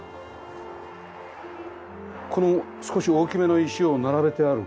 この少し大きめの石を並べてある。